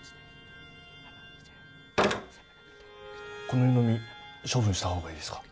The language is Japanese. この湯飲み処分した方がいいですか？